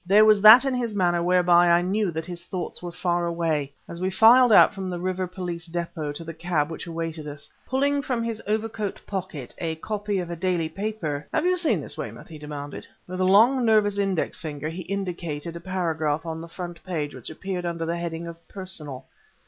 There was that in his manner whereby I knew that his thoughts were far away, as we filed out from the River Police Depôt to the cab which awaited us. Pulling from his overcoat pocket a copy of a daily paper "Have you seen this, Weymouth?" he demanded. With a long, nervous index finger he indicated a paragraph on the front page which appeared under the heading of "Personal."